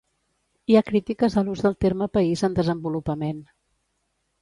Hi ha crítiques a l'ús del terme país en desenvolupament.